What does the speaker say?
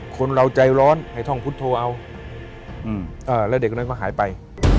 คนเราใจร้อนให้ท่องพุทธโธเอาแล้วเด็กนั้นก็หายไป